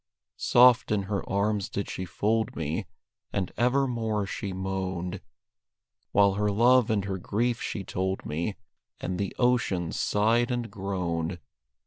Soft in her arms did she fold me, And evermore she moaned, While her love and her grief she told me, And the ocean sighed and groaned.